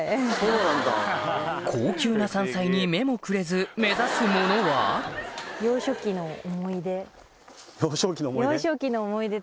高級な山菜に目もくれず目指すものは幼少期の思い出？